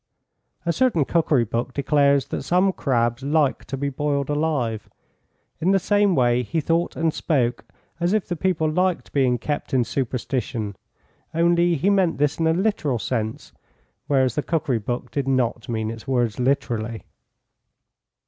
A certain cookery book declares that some crabs like to be boiled alive. In the same way he thought and spoke as if the people liked being kept in superstition; only he meant this in a literal sense, whereas the cookery book did not mean its words literally.